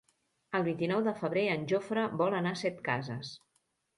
El vint-i-nou de febrer en Jofre vol anar a Setcases.